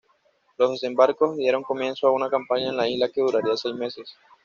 Los desembarcos dieron comienzo a una campaña en la isla que duraría seis meses.